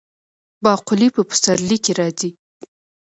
باقلي په پسرلي کې راځي.